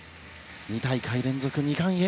２大会連続２冠へ。